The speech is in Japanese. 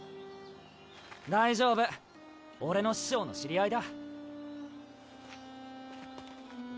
大丈夫俺の師匠の知り合いだ。